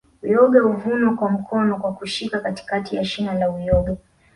Uyoga huvunwa kwa mkono kwa kushika katikati ya shina la uyoga